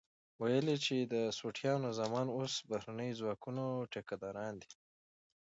ويل يې چې د سوټيانو زامن اوس د بهرنيو ځواکونو ټيکه داران دي.